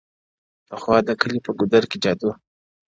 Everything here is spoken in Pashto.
پخوا د كلي په گودر كي جـادو _